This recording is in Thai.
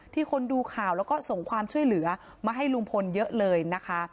คนดูข่าวแล้วก็ส่งความช่วยเหลือมาให้ลุงพลเยอะเลยนะคะ